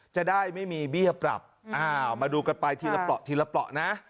จะได้ไม่มีเบี้ยปรับมาดูกันไปทีละเปล่านะ